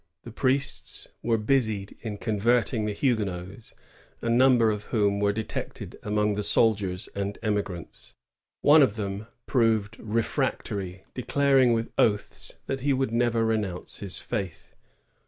The priests were busied in convert ing the Huguenots, a number of whom were detected among the soldiers and emigrants* One of them proved refractory, declaring with oaths that he would never renounce his faith.